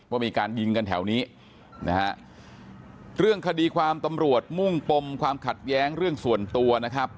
ว่ามีการยิงกันแถวนี้นะฮะเรื่องคดีความตำรวจมุ่งปมความขัดแย้งเรื่องส่วนตัวนะครับ